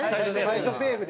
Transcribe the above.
最初セーフでね。